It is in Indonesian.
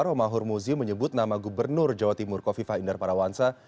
romahur muzi menyebut nama gubernur jawa timur kofifah indar parawansa